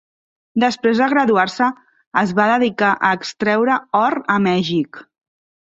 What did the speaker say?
Després de graduar-se, es va dedicar a extreure or a Mèxic.